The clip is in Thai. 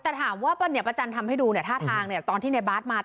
แต่ถามว่าป้าจันทำให้ดูเนี่ยท่าทางเนี่ยตอนที่ในบ้าทมา